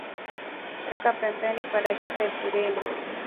Weka pembeni kwa dakika ishirini